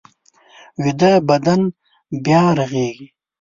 ویده بدن بیا رغېږي